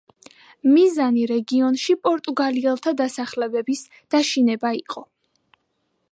მიზანი რეგიონში პორტუგალიელთა დასახლებების დაშინება იყო.